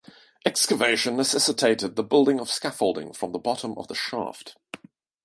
Excavation necessitated the building of scaffolding from the bottom of the shaft.